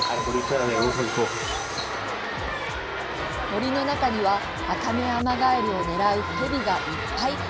森の中には、アカメアマガエルを狙う蛇がいっぱい！